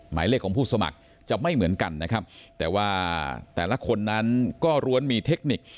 หมายเลขของผู้สมัครจะไม่เหมือนกันนะครับแต่ว่าแต่ละคนนั้นก็ล้วนมีเทคนิค